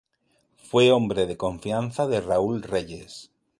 Fue hombre de confianza de Raúl Reyes.